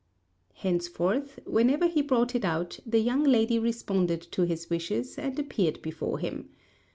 Henceforth, whenever he brought it out, the young lady responded to his wishes and appeared before him.